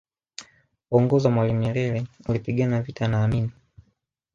uongozi wa mwalimu nyerere ulipigana vita na amini